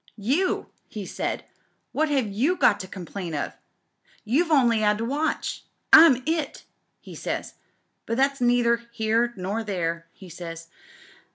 "'You!' he said. 'What have you got to com plain of? — ^you've only 'ad to watch. I'm i^,' he says, 'but that's neither here nor there,' he says.